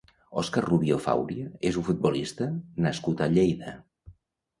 Óscar Rubio Fauria és un futbolista nascut a Lleida.